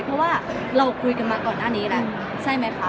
เพราะว่าเราคุยกันมาก่อนหน้านี้แล้วใช่ไหมคะ